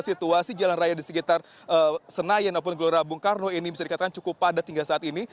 situasi jalan raya di sekitar senayan ataupun gelora bung karno ini bisa dikatakan cukup padat hingga saat ini